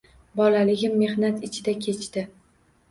Bolaligim mehnat ichida kechdi